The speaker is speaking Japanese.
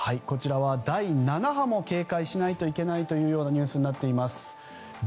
こちらは第７波も警戒しないといけないニュースになっています。